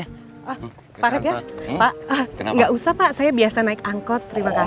pak regar pak gak usah pak saya biasa naik angkot terima kasih